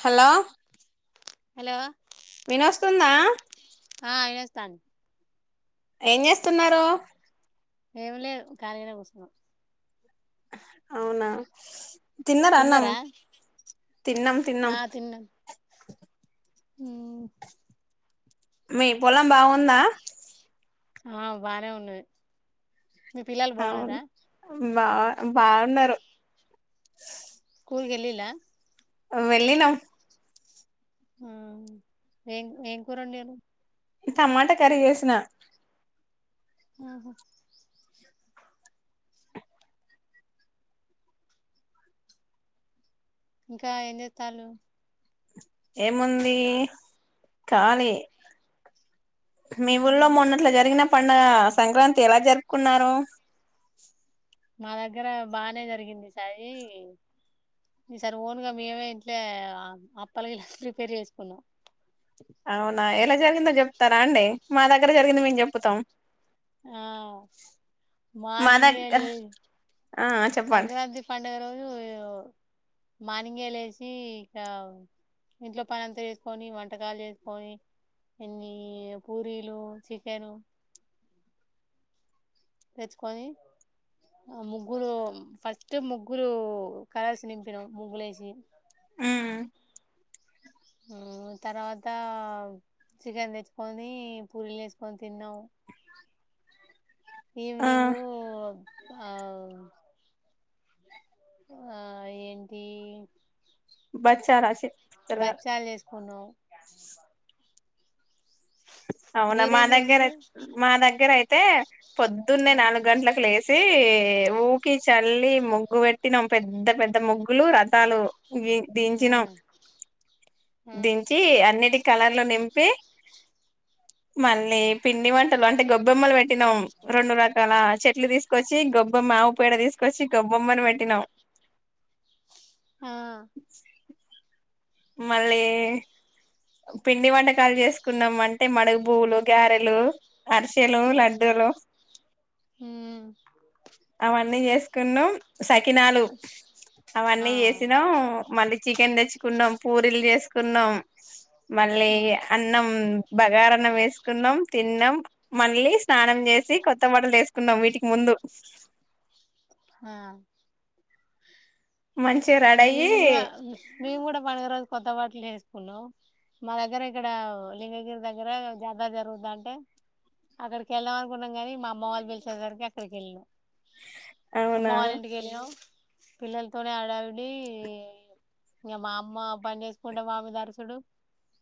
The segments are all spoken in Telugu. హలో హలో వినొస్తుందా ఆ ఈడేస్తాను ఏం చేస్తున్నారు ఏమి లేదు ఖాళీగనే కూసున్నాం అవునా తిన్నరా అన్నం తిన్నారా తిన్నం తిన్నం ఊ మీ పొలం బాగుందా ఆ బాగానే ఉన్నది మీ పిల్లలు అవును బాగున్నారా బా బాగున్నరు స్కూల్ కు ఏల్లిల అ వెళ్ళినమ్ ఊ ఏం ఏం కూర ఒండిరు నే టమాటా కర్రీ చేసిన ఆహా ఇంకా ఏం చేతలు ఏముంది కాలియే మీ ఊళ్లో ఉమ్, మొన్నట్ల జరిగిన పండగ సంక్రాంతి ఎలా జరుపుకున్నారు మా దగ్గర బానే జరిగింది సాయి ఈసర ఓన్ గా మేమే ఇంట్ల అప్పల్ గిట్ల ప్రీపేర్ చేసుకున్నాం అవునా ఎలా జరిగిందో చెప్తారా అండి మా దగ్గర జరిగింది మేము చెప్పుతాం ఆ మా మార్నింగ్ దగ్గర లే ఆ చెప్పండి సంక్రాంతి పండగ రోజు మార్నింగే లేసి ఇకా ఇంట్లో పని అంత చేసుకొని వంటకాలు చేసుకొని ఇన్ని పూరీలు చికెను తెచ్చుకొని ఆ ముగ్గులు ఫస్ట్ ముగ్గులు కలర్స్ నింపినం ముగ్గులు వేసి ఊ లు తర్వాత చికెన్ తెచ్చుకొని పూరీలు యేసుకొని తిన్నం ఆ ఈవినింగు ఆ ఆ ఏంటి బచారాశి బచ్చాలు చేసుకున్నం అవునా మా మీరేం దగ్గర చేసిరు మా దగ్గర అయితే పొద్దున్నే ఆ నాలుగు గంటలకు లేసి ఊకి చల్లి ముగ్గు పెట్టిన పెద్ద పెద్ద ముగ్గులు రథాలు ఆ దించినం దించి అన్నిటికి కలర్ లు నింపి మళ్ళీ పిండి వంటలు అంటే గొబ్బెమ్మలు పెట్టినాం రొండు రకాల చెట్లు తీసుకొచ్చి గొబ్బెమ్మ మావ పేడ తీసుకొచ్చి గొబ్బొమ్మని పెట్టినాం ఆ మళ్ళీ పిండి వంటకాలు చేసుకున్నాం అంటే మడుగు పువ్వులు గ్యారెలు అరిషెలు లడ్డులు ఊ అవన్నీ చేసుకున్నం సకినాలు ఆ అవన్నీ చేసినాం మళ్ళీ చికెన్ తెచ్చుకున్నాం పూరీలు చేసు కున్నాం మళ్ళీ ఉమ్. అన్నం బగారాన్నం వేసుకున్నాం తిన్నాం మళ్ళీ స్నానం చేసి కొత్త బటలు వేసుకున్నాం వీటికి ముందు హా మంచిగా రెడీ అయ్యి మేము కూడా మేము కూడా పడుగ రోజు కొత్త బట్ట లేేసుకున్నాము మా దగ్గర ఇక్కడ లింగగిరి దగ్గర జాతర జరుగుత ఉంటే అక్కడికి వెళ్ళాం అనుకున్నాం కానీ మా అమ్మ వాళ్ళు పలిచేసానికి అక్కడికి వెళ్ళాం అమ్మ అవునా వాళ్ళ ఇంటికి వెళ్ళినం పిల్లలతోనే హడావిడి డి ఇంకా మా అమ్మ పని చేసుకుంటే మామిద అరుసుడు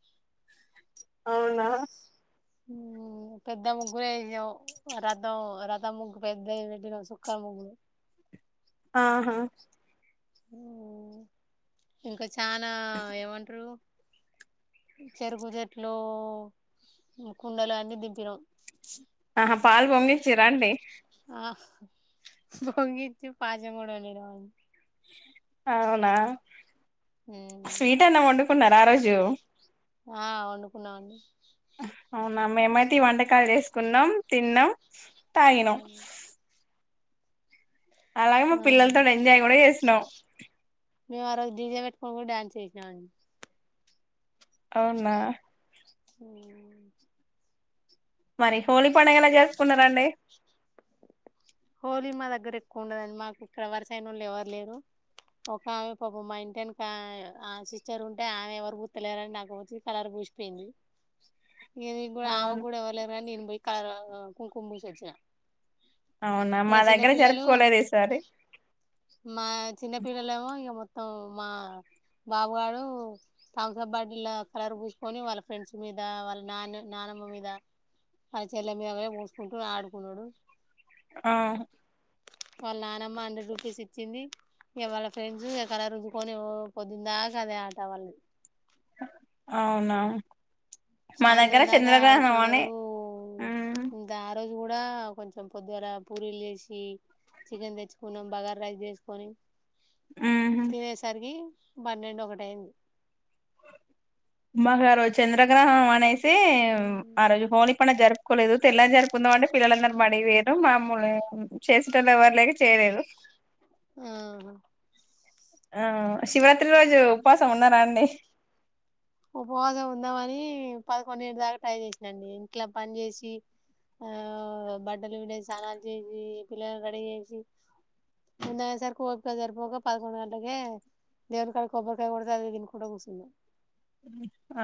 అవునా అవునా ఓ పెద్ద ముగ్గురే వేషం రథం రథం ముగ్గు పెద్ద పెట్టినా సుక్కర్ ముగ్గులు ఆహా ఇంకా చనా ఏమంటారు చెరుకు చెట్లు కుండలు అన్ని దింపినాం ఆహా పాలు పొంగించరా అండి పొంగించి పాయసం కూడా వండినం అండి అవునా స్వీట్ అన్నా వండుకున్నార ఆ రోజు ఆ వండుకున్నామండి అవునా మేమైతే ఈ వంటకాలు చేసుకున్నాం తిన్నాం తాగినం అలాగే మా పిల్లలతో ఎంజాయ్ కూడా చేసినాం మేము ఆ రజు దీజే పెట్టుకని డాన్స్ చేసామండి అవునా ఉ మరి హోలీ పండుగ ఎలా జరుపుకునరండి హోలీ మా దగ్గర ఎక్కువ ఉండదండి మాకు ఇక్కడ వరసన వాళ్ళు ఎవరు లేరు ఒక ఆమె పాపం ఇంటనికి ఆ సిస్టర్ ఉంటే ఆమె ఎవరు పితలేరని నాకు వచ్చ కలర్ పూసి పోయింది ఇ కూడా అవును ఆమెకు కూడా ఎవరు లేరని నేను పోయి కలర్ కుంకుమ పోసివచ్చిన అవునా మా ఇక దగ్గర చిన్నపిల్లలు జరుపుకోలేదు ఈసారి మా చిన్నపిల్లలు ఏమో ఇంక మొత్తం మా బాబు గడు థంబ్ అప్ బార్డల కలర్ పూసుకొని వాళ్ళ ఫ్రెండ్స్ మీద వాళ్ళ నాన్న నాన్న మ్ మీద వల్ల చెల్లి మీద పోసుకుంటూ ఆడుకున్నాడు ఆ వాళ్ళ నానమ్మ హండ్రెడ్ రూపీస్ ఇచ్చింది ఇవాళ ఫ్రెండ్స్ కలర్ పూసుకొని పొద్దుందాకా అదే ఆట వాళ్ళు అవునా మా దగ్గర సాయంత్రం దాకా చంద్రగ్రహణం అని ఆడుకున్నారు ఆ రోజు ది కూడా కొంచెం పొద్దుగల పూరీలు చేసి చికెన్ తెచ్చుకున్నాం బగార్ రైస్ చేసుకొని ఉహు తినేసరికి పన్నెండు ఒకటియింది మాకు ఆ రోజు చంద్రగ్రహణం అనేసి అయితే ఆ రోజు హోలీ పండగ జరుపుకోలేదు తెల్లని జరుపుకుందాం అంటే పిల్లలు అందరూ బడికి పోయిరు మామ్మలు చేసేటలు ఎవరు లేక చేయలేదు ఆ ఆ శివరాత్రి రోజు ఉపావాసం ఉన్నారాండి ఉపవాసం ఉందామని పదకొండేడు దాకా ట్రై చేసాండి ఇంట్లా పని చేసి ఆ బడ్ట్టలు పిండి స్నానాలు చేసి పిల్లలను రెడీ చేసి ము సార్ కోపికదారుపోగా పదకొం గలకి దేవుని కాడ కొబ్బరికాయ కూడాడతే అదినుకుండా కూర్చుం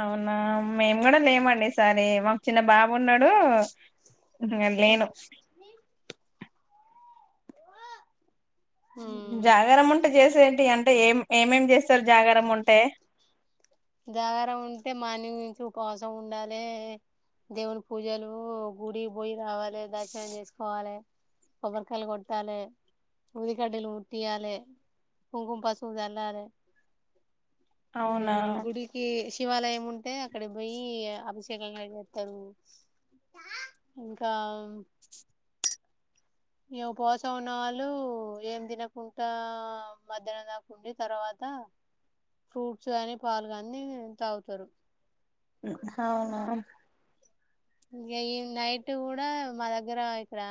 అవునా మేము కూడా లేమండి ఈసారి మాకు చిన్న బాబున్నాడు నేను ఉమ్ జాగర ఉంటే చేసే ఏంటి అంటే ఏం ఏమేం చేస్తారు జాగర ఉంటే జాగర ఉంటే మార్నింగ్ నుంచి కోసం ఉండాలి దేవుని పూజలు గుడి పోయ రావాలి దర్శాయం చేసుకోవాలి కొబ్బరికాయలు కొట్టాలి ఉఊదికడలు ఉట్టీలి కుంకుం పశపు తెల్ళాలి అవునా శివాలయం ఉంటే అక్కడ పోయి అభిషేకంగా వస్తారు [inaudible] ఇంకా మేము పోస ఉన్నవాళ్ళు ఏం తినకుండా మధ్యాహ్నం దాకుండి తర్వాత ఫ్రూట్స్ కానీ పాలు కానీ తాగుతారు హు అవునా ఇంగా ఈ నైట్ కూడా మా దగ్గర ఇక్కడ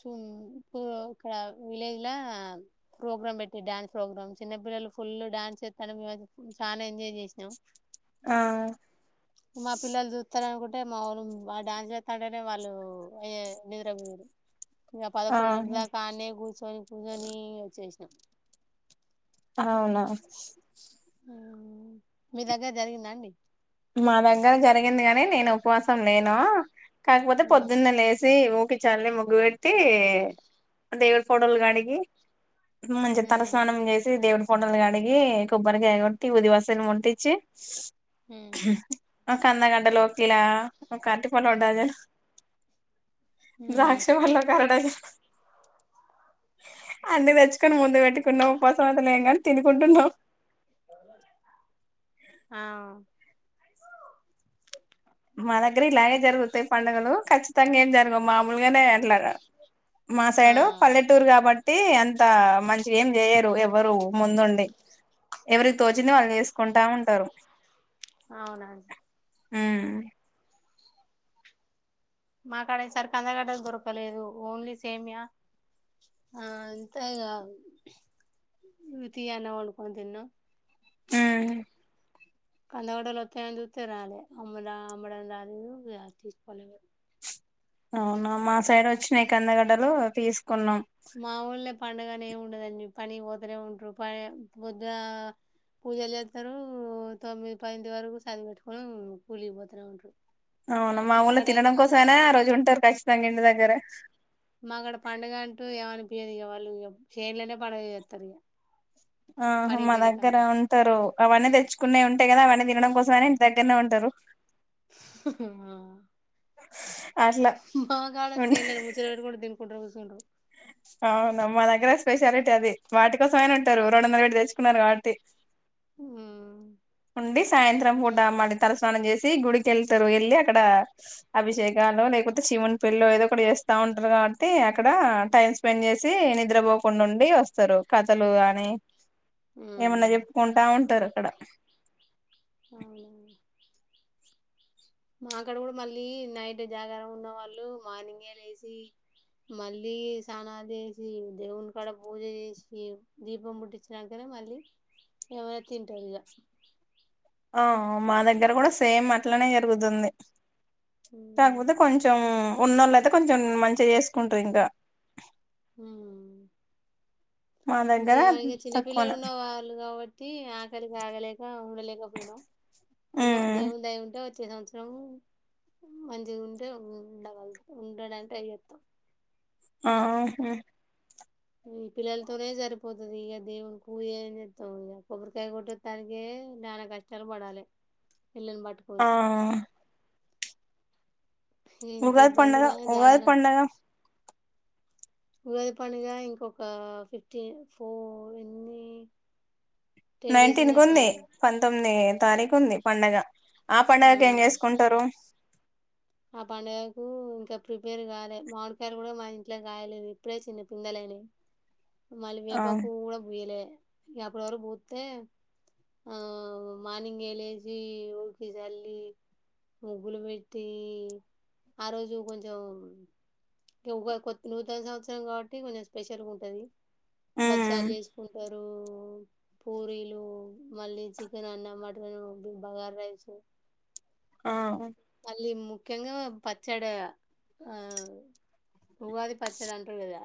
సుం ఇప్పడు ఇక్కడ విలేజ్ లో ప్రోగ్రామ్ పెట్టి డ్యాన్స్ ప్రోగ్రామ్ చిన్నబ్ పిల్లలు ఫుల్ డ్యాన్స్ చేస్తానం మేమైత్ చానా ఎంజాయ్ చేసినం ఆ మా పిల్లలు చుత్తరనుకుం అంటే మావాళ్లు సు ఆ డ్యాన్స్ చేస్తాంటేనే వాళ్ళు అయ్యయ్యో నిద్రపోరు ఇక పదకొండు ఇంటి దాకా ఆడనే కూర్చొని కూర్చొని వచ్చేసినాం అవునా మీ దగ్గ జరిగిందా అండి మా దగ్గర జరిగింది కాని నేను ఉపవాసం లేను కాకపోతే ఉమ్. పొద్దున్నే లేసి ఒకి చాలీ ముగ్గు పెట్టి దేవుడు ఫోటోలు కడిగి మంచి ఉమ్. తలస్నానం చేసి దేవున్ ఫోటోలు కడిగి కొబ్బరికాయ కొట్టి ఉదివాసన ముట్టిచ్చి ఉమ్. ఓ కంద గడ్డలు కిలో ఒక అరటి పండ్లు డిజైన్ ఉమ్. దాక్ష పండు ఒక అరడజన్ అన్ని తెచ్చుకొని ముందు పెట్టుకున్నావు ఉపాసం లేం కానీ తినుకుంటున్నాం ఆ మా దగ్గర ఇలాగే జరుగుతాయి పండుగులు ఖచ్చితంగా ఏం జరగవు మామూలుగానే అట్లా మా ఆ సైడు పల్లెటూరు కాబట్ ట్టి అంత మంచి ఏం చేయరు ఎవ్వరూ ముందుండి ఎవరి తోచిందే వాళ్ళు చేసుకుంటా ఉంటారు అవునా ఉమ్ మాకాడ సరుక్ కందగడ్డ దొరకలేదు ఓన్లీ సేమియా ఆ అంతేగా ఉ తీఅన్నం వండుకొని తిన్నాం ఉమ్ కంద గడ్డలు వస్తాయని చూతే రాలేదు అమ్మదా అమ్మడదానియు రాలేదు తీసుకోలే అవునా మా సైడ్ వచ్చినాయి కందగడ్డలు తిస్ మా ఊళ్లో పండగ అనే ఏమి ఉండదండి పనికి పోతూనే ఉంటారు పని పొద్దుగా పూజలు చేస్తారు తొమ్మిది పది వరకు సద్ది పెట్టుకొని కూలిపోతున్నా ఉంటారు అవునా మా ఊళ్ళ తినడం కోసమేనా ఆ రోజు ఉంటారు కచ్చితంగా ఇంటి దగ్గర మాకడ పండుగ అంటూ ఏమనిపియ్యదు ఇగా వాళ్ళు చేన్లోనే పండగ చేస్తారు ఇగా ఆహా మా దగ్గర ఉంటారు అవన్నీ తెచ్చుకునే ఉంటాయి కదా అవన్నీ తినడం కోసమే ఇంటి దగ్గరనే ఉంటారు హు [unintelligible] మా కాడ ఉంట చేన్లో ముచ్చట పెట్టుకుంటా తి నుకుంటూ కూసుంటారు. అవునా మా దగ్గర స్పెషాలిటీ అది వాటి కోసమేనా ఉంటారు రెండువందలు పెట్టి తెచ్చుకున్నారు, కాబట్టి [unintelligible] ఉంది సాయంత్రం పూట మడ తలస్నానం చేసి గుడికి వెళ్తారు వెళ్ళి అక్కడ అభిషేకాలు లే, అయితే శివుని పెళ్లిలో ఏదో ఒకటి చేస్తా ఉంటారు, కాబట్టి అక్కడ టైం స్పెండ్ చేసి నిద్రపోకుండా ఉండి డి వస్తారు కథలు కాని ఏమన్నా చెప్పుకుంటా ఉంటారు అక్కడ అవునా మాకాడ కూడా మళ్ళీ నైట్ జాగారం ఉన్న వాళ్ళు మార్నింగే లేసి, మళ్ళీ స్నానాలు చేసి దేవుని కాడ పూజ చేసి దీపం మూట్టిచ్చినంకనే, మళ్ళీ ఇగా పోయి తింటారు ఇగా ఆ మా దగ్గర కూడా సేమ్ అట్లనే జరుగుతుంది. కాకపోతే కొంచెం ఉన్నోళ్లు అయితే కొంచెం మంచిగా చేసుకుంటారు ఇంకా ఉ మా దగ్గర మేము ఇగా చిన్నపిల్లలు తక్కువనే ఉన్న వాళ్ళు కాబట్టి, టి ఆకలికి ఆగలేక ఉండలేకపోయినాం ఏమో ఉమ్ దేవుని దయ ఉంటే, పోయిన సంవత్సరము, మంచి ఉంటే ఉండగల ఉండడంటే ఎరతం, ఆ హు ఈ పిల్లలతోనే సరిపోతది ఈక దేవునికి పూజ ఏంచేతావు కొబ్బరికాయ కోటోతానికే లెవ్ నానా కష్టాలు పడాలే, [unintelligible] పిల్లని పట్టుకొన్ని, ఆ ఉగాది పండగా ఇబ్బందిలా ఎవలి జాగర పండగా, ఉగాది పండుగ ఇంకొక ఫిఫ్టీ ఫోర్ ఇన్ని నైన్టీన్ కు ఉంది పంతొమ్మిది తారీఖు ఉంది పండగ, ఆ పండుగకి ఏం చేసుకుంటారు. ఆ పండుగలకు ఇంకా ప్రిపేర్ కాలే మామిడికాయలు కూడా మా ఇంట్లో కాయలే ఇప్పుడే చిన్న పిందలు అయినాయి, [unintelligible] మళ్ళీ ఆ వేప పూవు కూడా పూయలే అప్పడి వరకు పూస్తే, ఆ మార్నింగ్ లేసి ఉకి చల్లి ముగ్గులు పెట్టి ఆ రోజు కొంచెం, ఉగాది కొ నూతన సంవత్సరం కాబట్టి కొంచెం స్పెషల్గా ఉంటది బచ్చలు ఉమ్ చేసుకుంటాం, [unintelligible] పూరీలు మళ్ళీ చికెన్ అన్న మటన్ బగార్ రైస్ ఆ మళ్ళీ ముఖ్యంగా పచ్చడ ఆ ఉగాది పచ్చడి అంటరుగా